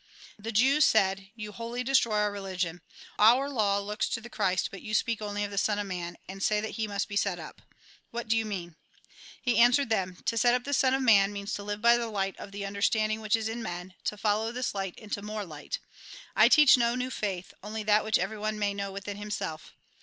The Jews said :" You wliolly destroy our reli gion. Our law looks to the Christ, but you speak only of the Son of Man, and say that he must be set up. What do you mean ?" He answered A RECAriTULATION 209 them :" To set up the Son of Man means to live by the light of the understanding which is in men, to follow this light into more light. I teach no new faith, only that which everyone may know within himself.